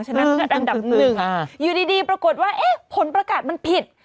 ฉะนั้นอันดับ๑อยู่ดีปรากฏว่าเอ๊ะผลประกาศมันผิด